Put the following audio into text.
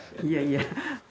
いやいや。